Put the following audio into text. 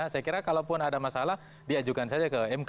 saya kira kalaupun ada masalah diajukan saja ke mk